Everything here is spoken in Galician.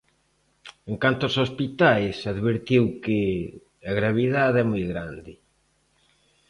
En canto aos hospitais, advertiu que "a gravidade é moi grande".